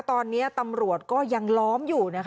ตอนนี้ตำรวจก็ยังล้อมอยู่นะคะ